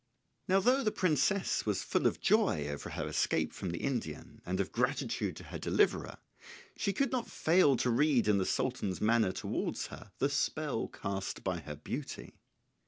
Now though the princess was full of joy over her escape from the Indian, and of gratitude to her deliverer, she could not fail to read in the Sultan's manner towards her the spell cast by her beauty.